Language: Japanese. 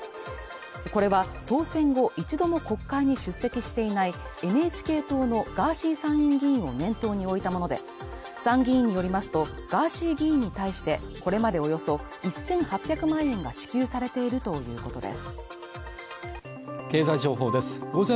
これは当選後、一度も国会に出席していないＮＨＫ党のガーシー参院議員を念頭に置いたもので、参議院によりますと、ガーシー議員に対して、これまでおよそ１８００万円が支給されているということです。